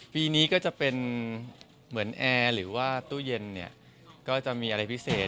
ปีนี้ก็จะเป็นเหมือนแอร์หรือว่าตู้เย็นเนี่ยก็จะมีอะไรพิเศษ